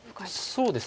そうですね。